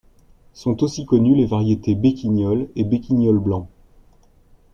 Sont aussi connues les variétés béquignol et béquignol blanc.